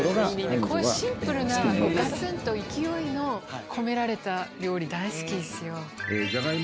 こういうシンプルながつんと勢いの込められた料理大好きですよ。